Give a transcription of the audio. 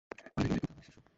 আরে লাকি তো আমারই শিষ্য।